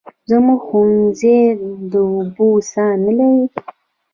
زموږ ښوونځی د اوبو څاه نلري